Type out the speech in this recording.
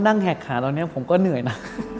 นั่งแห่งขาตอนนี้ผมก็เหนื่อยนะ